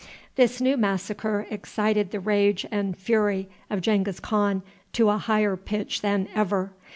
This new massacre excited the rage and fury of Genghis Khan to a higher pitch than ever.